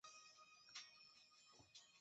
两个都将失败归咎于开放原始码社群。